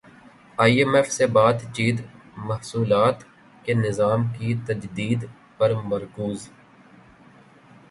ئی M F سے بات چیت محصولات کے نظام کی تجدید پر مرکوز